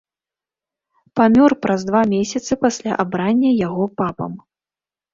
Памёр праз два месяцы пасля абрання яго папам.